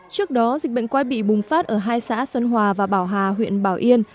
trước đó dịch bệnh quay bị bùng phát ở hai xã xuân hòa và bảo hà huyện bảo yên